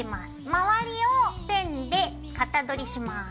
周りをペンでかたどりします。